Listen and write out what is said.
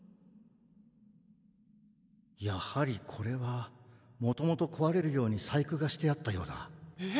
やはりこれはもともとこわれるように細工がしてあったようだえぇっ？